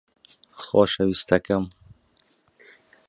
خۆشەویستەکەم